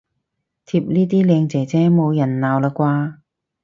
貼呢啲靚姐姐冇人鬧喇啩